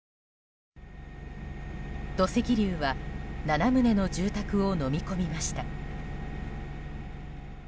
土石流は７棟の住宅をのみ込みました。